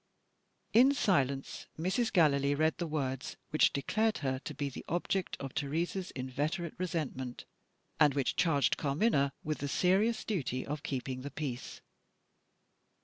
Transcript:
In silence, Mrs. Gallilee read the words which declared her to be the object of Teresa's inveterate resentment, and which charged Carmina with the serious duty of keeping the peace.